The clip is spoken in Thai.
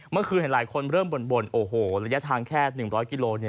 เมื่อคืนเห็นหลายคนเริ่มบ่นโอ้โหระยะทางแค่๑๐๐กิโล